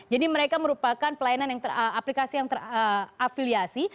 jadi mereka merupakan aplikasi yang terafiliasi